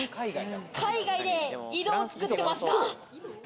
海外で井戸を作ってますか？